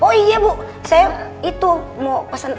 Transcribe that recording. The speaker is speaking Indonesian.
oh iya bu saya itu mau pesan